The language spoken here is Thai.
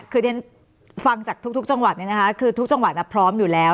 คือเรียนฟังจากทุกจังหวัดเนี่ยนะคะคือทุกจังหวัดพร้อมอยู่แล้ว